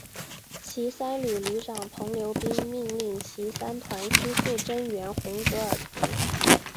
骑三旅旅长彭毓斌命令骑三团悉数增援红格尔图。